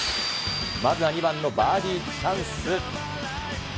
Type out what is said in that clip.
まずは２番のバーディーチャンス。